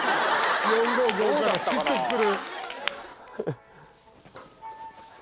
４５５から失速する。